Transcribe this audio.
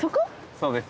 そうです。